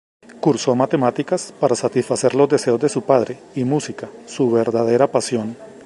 Cursó matemáticas para satisfacer los deseos de su padre y música, su verdadera pasión.